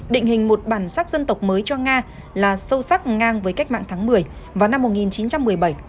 định hình một bản sắc dân tộc mới cho nga là sâu sắc ngang với cách mạng tháng một mươi vào năm một nghìn chín trăm một mươi bảy